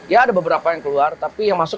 ya ada beberapa yang keluar tapi yang masuk